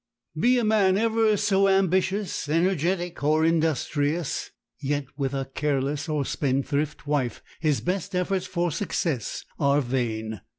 Be a man ever so ambitious, energetic, or industrious, yet with a careless or spendthrift wife his best efforts for success are vain.